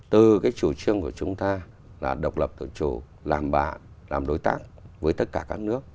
từ cái chủ trương của chúng ta là độc lập tự chủ làm bạn làm đối tác với tất cả các nước